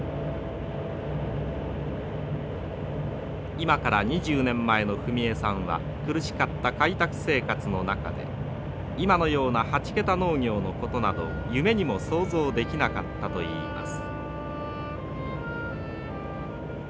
今から２０年前の文枝さんは苦しかった開拓生活の中で今のような８桁農業のことなど夢にも想像できなかったといいます。